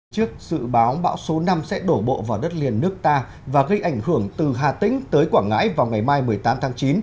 trước dự báo bão số năm sẽ đổ bộ vào đất liền nước ta và gây ảnh hưởng từ hà tĩnh tới quảng ngãi vào ngày mai một mươi tám tháng chín